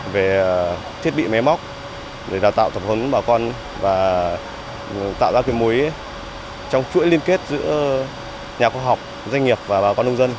về thiết bị máy móc để đào tạo tập huấn bà con và tạo ra cái mối trong chuỗi liên kết giữa nhà khoa học doanh nghiệp và bà con nông dân